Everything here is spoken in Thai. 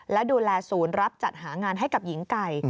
และดูแลศูนย์รับจัดหางานให้กับหญิงไก่